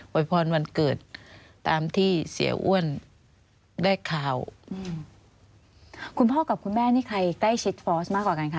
พรวันเกิดตามที่เสียอ้วนได้ข่าวอืมคุณพ่อกับคุณแม่นี่ใครใกล้ชิดฟอสมากกว่ากันคะ